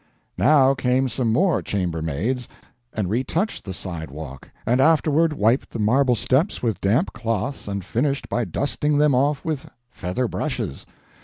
Now came some more chamber maids and retouched the sidewalk, and afterward wiped the marble steps with damp cloths and finished by dusting them off with feather brushes.